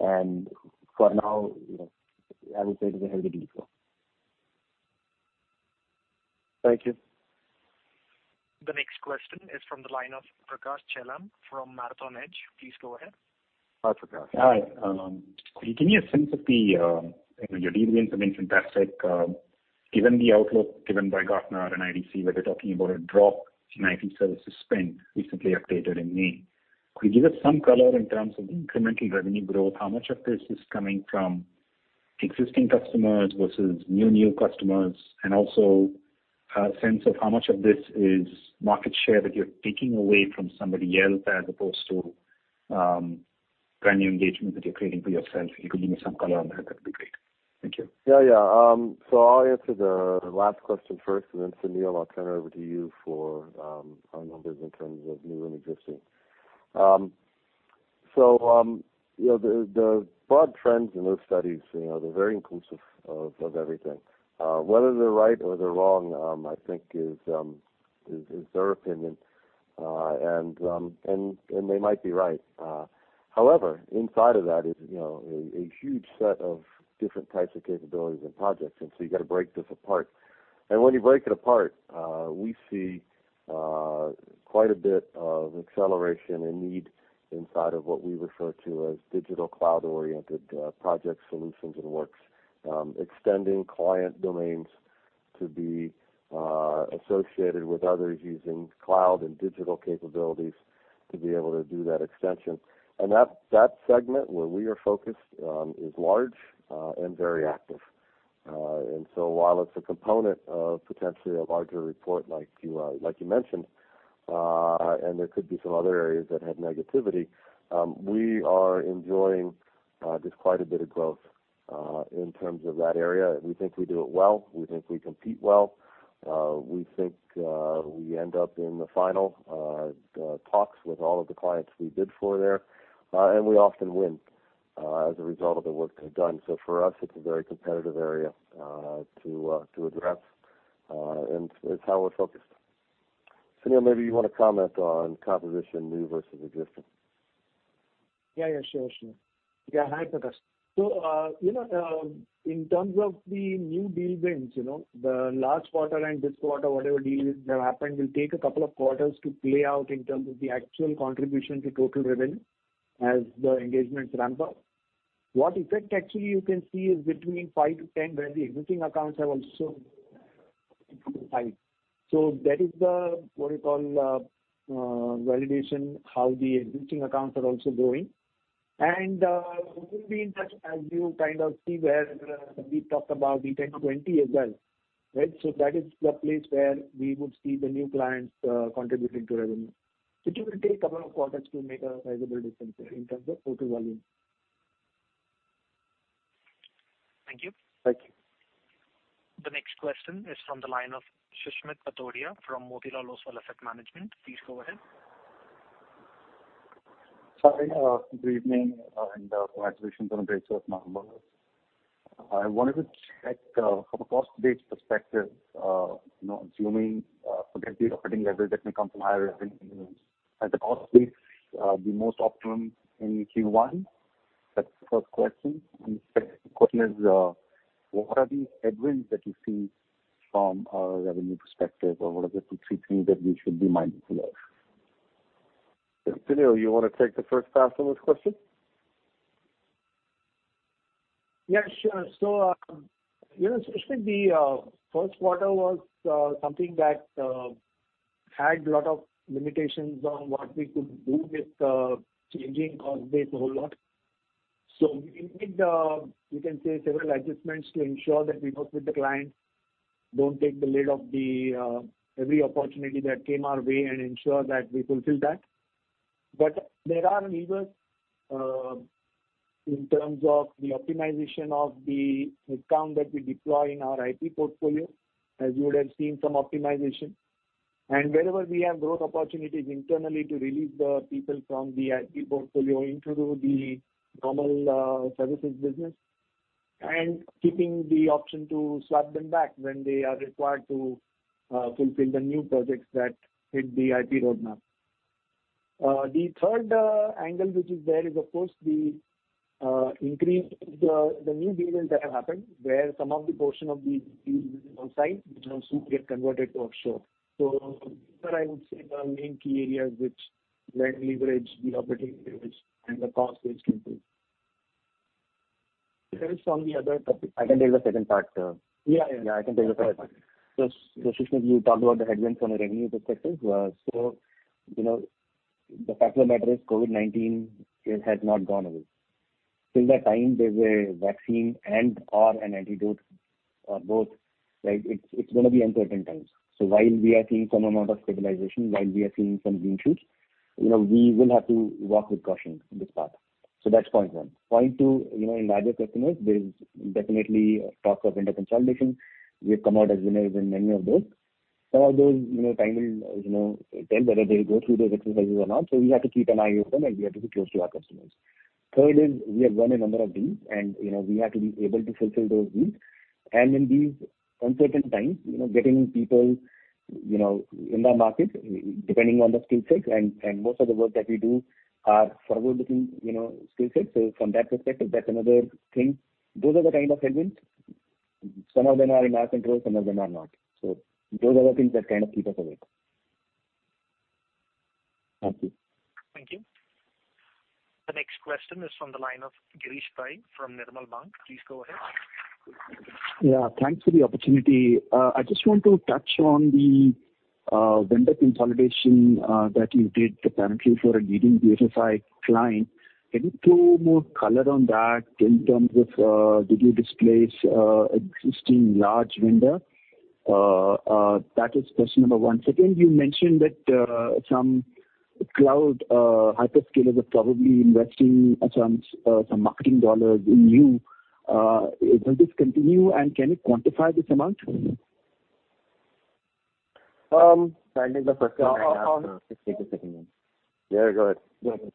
and for now, I would say it is a healthy deal flow. Thank you. The next question is from the line of Prakash Chellam from Marathon Edge. Please go ahead. Hi, Prakash. Hi. Can you give me a sense of your deal wins have been fantastic. Given the outlook given by Gartner and IDC, where they're talking about a drop in IT services spend, recently updated in May, could you give us some color in terms of the incremental revenue growth, how much of this is coming from existing customers versus new customers, and also a sense of how much of this is market share that you're taking away from somebody else as opposed to brand new engagement that you're creating for yourself? If you could give me some color on that'd be great. Thank you. Yeah. I'll answer the last question first, and then Sunil, I'll turn it over to you for our numbers in terms of new and existing. The broad trends in those studies, they're very inclusive of everything. Whether they're right or they're wrong, I think is their opinion, and they might be right. However, inside of that is a huge set of different types of capabilities and projects, and so you got to break this apart. When you break it apart, we see quite a bit of acceleration and need inside of what we refer to as digital cloud-oriented project solutions and works, extending client domains to be associated with others using cloud and digital capabilities to be able to do that extension. That segment where we are focused is large and very active. While it's a component of potentially a larger report like you mentioned, and there could be some other areas that had negativity, we are enjoying just quite a bit of growth in terms of that area. We think we do it well. We think we compete well. We think we end up in the final talks with all of the clients we bid for there. We often win as a result of the work they've done. For us, it's a very competitive area to address, and it's how we're focused. Sunil, maybe you want to comment on composition, new versus existing? Hi, Prakash. In terms of the new deal wins, the last quarter and this quarter, whatever deals that happened will take a couple of quarters to play out in terms of the actual contribution to total revenue as the engagements ramp up. What effect actually you can see is between 5-10, where the existing accounts have also high. That is the, what you call, validation, how the existing accounts are also growing. We'll be in touch as you see where Sandip talked about the 10-20 as well, right? That is the place where we would see the new clients contributing to revenue. Which will take a couple of quarters to make a sizable difference there in terms of total volume. Thank you. Thank you. The next question is from the line of Susmit Patodia from Motilal Oswal Asset Management. Please go ahead. Hi, good evening, congratulations on a great set of numbers. I wanted to check from a cost-based perspective, assuming forget the operating leverage that may come from higher revenue. Has the cost base be most optimum in Q1? That's the first question. Second question is, what are the headwinds that you see from a revenue perspective or what are the two, three things that we should be mindful of? Sunil, you want to take the first pass on this question? Yes, sure. Susmit, the first quarter was something that had lot of limitations on what we could do with changing cost base a whole lot. We made, you can say, several adjustments to ensure that we work with the clients, don't take the lid of every opportunity that came our way and ensure that we fulfill that. There are levers in terms of the optimization of the headcount that we deploy in our IP portfolio, as you would have seen some optimization. Wherever we have growth opportunities internally to release the people from the IP portfolio into the normal services business, and keeping the option to swap them back when they are required to fulfill the new projects that hit the IP roadmap. The third angle which is there is, of course, the increase of the new deals that have happened, where some of the portion of these deals is on-site, which also get converted to offshore. These are, I would say, the main key areas which leverage the operating leverage and the cost base improve. Sandip, on the other topic. I can take the second part. Yeah. I can take the second part. Susmit, you talked about the headwinds from a revenue perspective. The fact of the matter is COVID-19, it has not gone away. Till the time there's a vaccine and/or an antidote or both, it's gonna be uncertain times. While we are seeing some amount of stabilization, while we are seeing some green shoots, we will have to walk with caution this path. That's point one. Point two, in larger customers, there is definitely talks of vendor consolidation. We have come out as winners in many of those. Some of those, time will tell whether they go through those exercises or not. We have to keep an eye open, and we have to be close to our customers. Third is, we have won a number of deals, and we have to be able to fulfill those deals. In these uncertain times, getting people in the market, depending on the skill sets, most of the work that we do are server-level skill sets. From that perspective, that's another thing. Those are the kind of headwinds. Some of them are in our control, some of them are not. Those are the things that kind of keep us awake. Thank you. Thank you. The next question is from the line of Girish Pai from Nirmal Bang. Please go ahead. Yeah, thanks for the opportunity. I just want to touch on the vendor consolidation that you did, apparently for a leading BFSI client. Can you throw more color on that in terms of did you displace existing large vendor? That is question number one. You mentioned that some cloud hyperscalers are probably investing some marketing dollars in you. Will this continue and can you quantify this amount for me? Can I take the first one? No. I'll take the second one. Yeah, go ahead. Okay.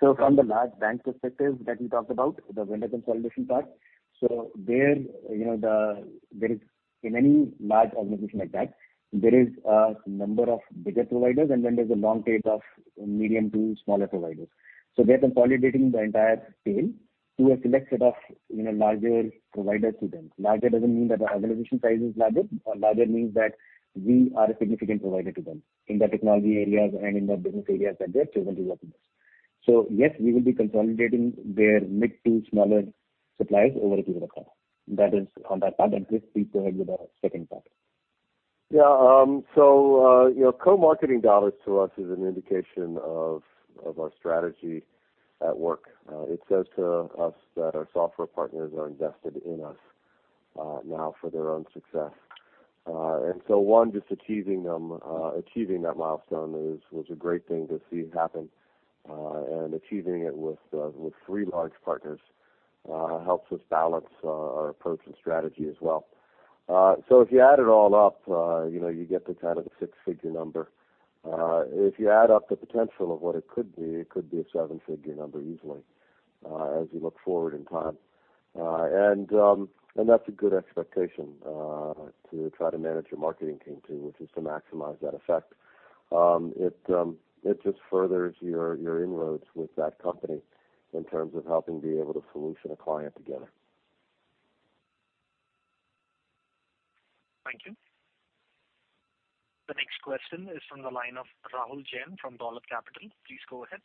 From the large bank perspective that you talked about, the vendor consolidation part. There, in any large organization like that, there is a number of bigger providers, and then there's a long tail of medium to smaller providers. They're consolidating the entire tail to a select set of larger providers to them. Larger doesn't mean that the organization size is larger. Larger means that we are a significant provider to them in the technology areas and in the business areas that they have chosen to work with us. Yes, we will be consolidating their mid to smaller suppliers over to Wipro. That is on that part. Chris, please go ahead with the second part. Co-marketing dollars to us is an indication of our strategy at work. It says to us that our software partners are invested in us now for their own success. Just achieving that milestone was a great thing to see happen, and achieving it with three large partners helps us balance our approach and strategy as well. If you add it all up, you get to kind of a six-figure number. If you add up the potential of what it could be, it could be a seven-figure number easily as we look forward in time. That's a good expectation to try to manage your marketing team to, which is to maximize that effect. It just furthers your inroads with that company in terms of helping be able to solution a client together. Thank you. The next question is from the line of Rahul Jain from Dolat Capital. Please go ahead.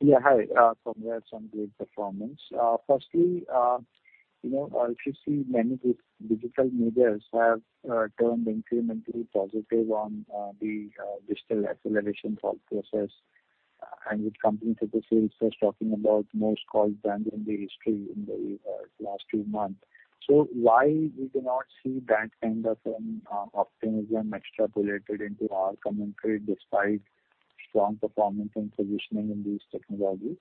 Yeah, hi. Congrats on great performance. Firstly, if you see many digital medias have turned incrementally positive on the digital acceleration thought process, and with companies like Salesforce talking about most calls banned in the history in the last two months. Why we cannot see that kind of an optimism extrapolated into our commentary despite strong performance and positioning in these technologies?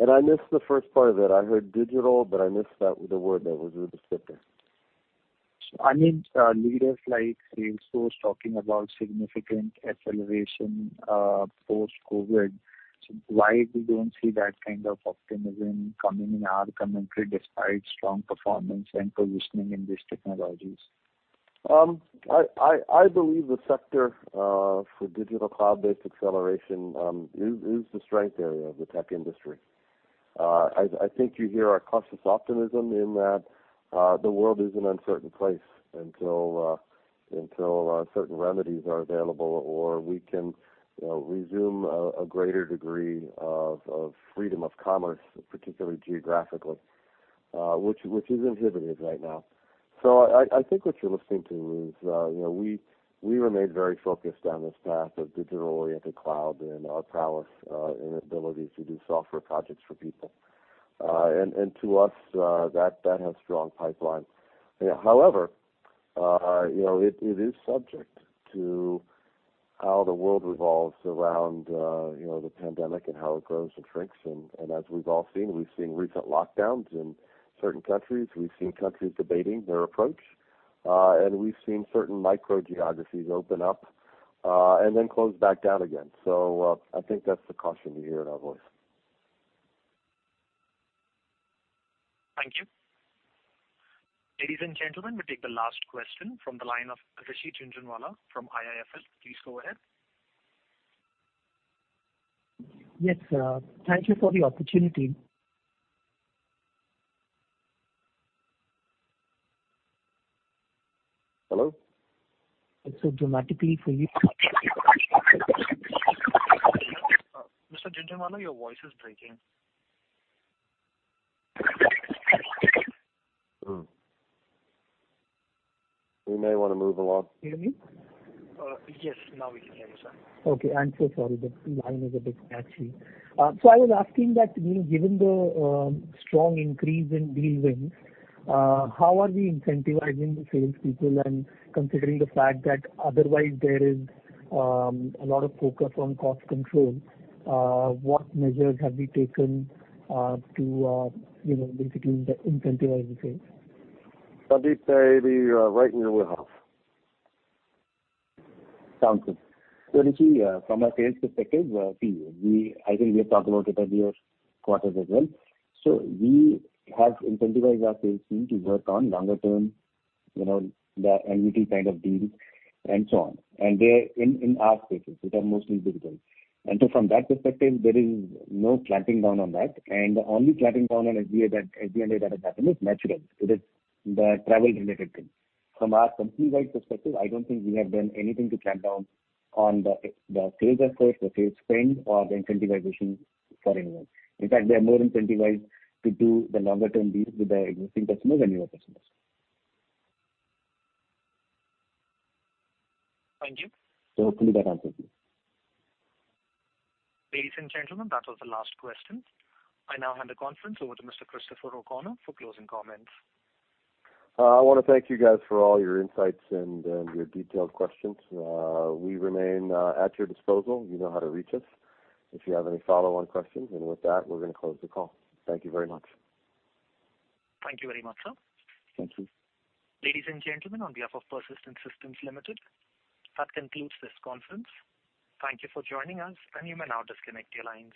I missed the first part of it. I heard digital, but I missed the word that was with the second. I meant leaders like Salesforce talking about significant acceleration post-COVID. Why we don't see that kind of optimism coming in our commentary despite strong performance and positioning in these technologies? I believe the sector for digital cloud-based acceleration is the strength area of the tech industry. I think you hear our cautious optimism in that the world is an uncertain place until certain remedies are available, or we can resume a greater degree of freedom of commerce, particularly geographically, which is inhibited right now. I think what you're listening to is we remain very focused on this path of digital-oriented cloud and our prowess and ability to do software projects for people. To us, that has strong pipeline. However, it is subject to how the world revolves around the pandemic and how it grows and shrinks. As we've all seen, we've seen recent lockdowns in certain countries. We've seen countries debating their approach. We've seen certain micro geographies open up, and then close back down again. I think that's the caution you hear in our voice. Thank you. Ladies and gentlemen, we'll take the last question from the line of Rishi Jhunjhunwala from IIFL. Please go ahead. Yes, thank you for the opportunity. Hello? It is so dramatically for you. Mr. Jhunjhunwala, your voice is breaking. We may want to move along. Can you hear me? Yes, now we can hear you, sir. Okay, I'm so sorry, but the line is a bit patchy. I was asking that given the strong increase in deal wins, how are we incentivizing the salespeople? Considering the fact that otherwise there is a lot of focus on cost control, what measures have we taken to basically incentivize sales? Sandeep, maybe you're right in your wheelhouse. Sounds good. Rishi, from a sales perspective, I think we have talked about it earlier quarters as well. We have incentivized our sales team to work on longer-term, the annuity kind of deals and so on. They're in our spaces, which are mostly digital. From that perspective, there is no clamping down on that. The only clamping down on SG&A that has happened is natural. It is the travel-related thing. From our company-wide perspective, I don't think we have done anything to clamp down on the sales effort, the sales spend, or the incentivization for anyone. In fact, they are more incentivized to do the longer-term deals with the existing customers and newer customers. Thank you. Hopefully that answers you. Ladies and gentlemen, that was the last question. I now hand the conference over to Mr. Christopher O'Connor for closing comments. I want to thank you guys for all your insights and your detailed questions. We remain at your disposal. You know how to reach us if you have any follow-on questions. With that, we're going to close the call. Thank you very much. Thank you very much, sir. Thank you. Ladies and gentlemen, on behalf of Persistent Systems Limited, that concludes this conference. Thank you for joining us, and you may now disconnect your lines.